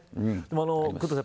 工藤さん